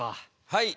はい。